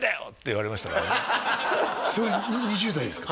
それ２０代ですか？